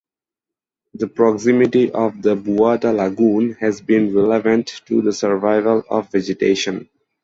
The proximity of the Buada Lagoon has been relevant to the survival of vegetation.